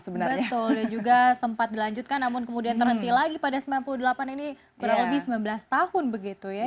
betul dia juga sempat dilanjutkan namun kemudian terhenti lagi pada seribu sembilan ratus sembilan puluh delapan ini berlebih sembilan belas tahun begitu ya